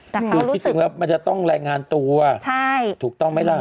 แต่เขารู้สึกมันจะต้องแรงงานตัวถูกต้องไหมล่ะ